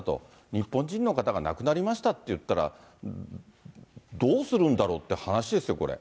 日本人の方が亡くなりましたっていったら、どうするんだろうって